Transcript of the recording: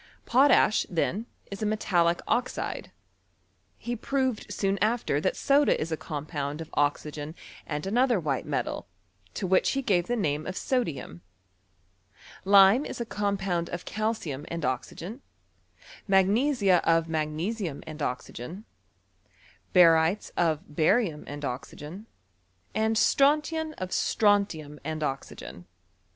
Potash, then, is a metallic oxide. He proved soon after that soda is a compound of oxygen and another white metal, to which he gave the name of sodium. Lime is a compound of calcium and oxygen, mag nesia of magnesium and oxygen, barytes of bariutu and oxygen, and strontian of sfronf lum and oxygen.